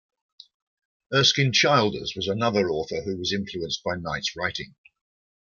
Erskine Childers was another author who was influenced by Knight's writing.